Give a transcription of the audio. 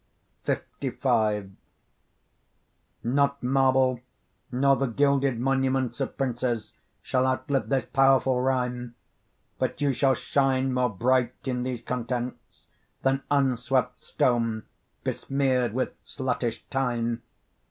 LV Not marble, nor the gilded monuments Of princes, shall outlive this powerful rhyme; But you shall shine more bright in these contents Than unswept stone, besmear'd with sluttish time.